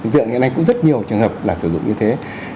ví dụ như thế này cũng rất nhiều trường hợp là sử dụng như thế